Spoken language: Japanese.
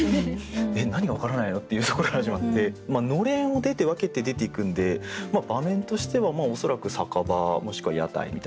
「えっ何がわからないの？」っていうところから始まってのれんを出て分けて出ていくんで場面としてはおそらく酒場もしくは屋台みたいな。